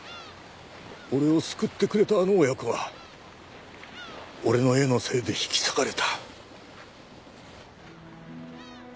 俺を救ってくれたあの親子は俺の絵のせいで引き裂かれた。